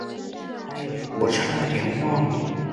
哎呀，我差点忘了。